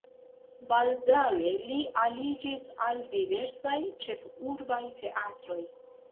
Baldaŭe li aliĝis al diversaj ĉefurbaj teatroj.